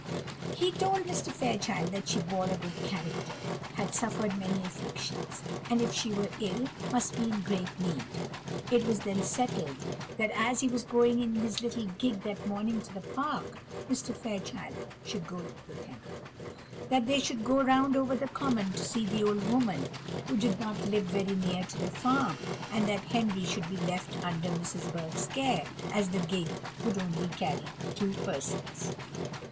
He told Mr. Fairchild that she bore a good character had suffered many afflictions and, if she were ill, must be in great need. It was then settled that as he was going in his little gig that morning to the park, Mr. Fairchild should go with him; that they should go round over the common to see the old woman, who did not live very near to the farm, and that Henry should be left under Mrs. Burke's care, as the gig would only carry two persons.